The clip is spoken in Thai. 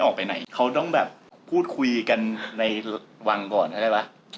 เขาต้องแบบพูดคุยกันในวังก่อนได้ไหม